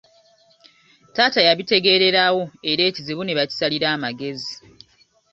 Taata yabitegeererawo era ekizibu ne bakisalira amagezi.